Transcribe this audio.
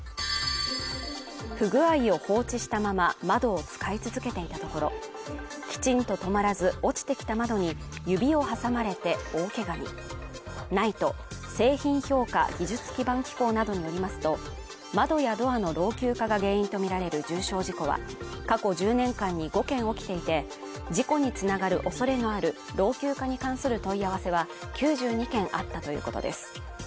不具合を放置したまま窓を使い続けていたところ、きちんと止まらず、落ちてきた窓に指を挟まれて大怪我にＮＩＴＥ＝製品評価技術基盤機構などによりますと、窓やドアの老朽化が原因とみられる重傷事故は過去１０年間に５件起きていて体調に気を付けたい季節の変わり目に免疫ケアのお茶。